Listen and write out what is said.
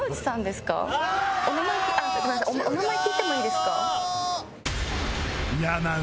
お名前聞いてもいいですか？